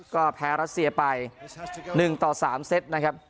ก็แพ้รัสเซียไป๑ต่อ๓เซตนะครับ